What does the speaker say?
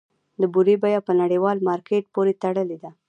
د بورې بیه په نړیوال مارکیټ پورې تړلې ده؟